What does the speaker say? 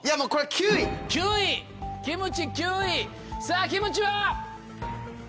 ９位キムチ９位さぁキムチは！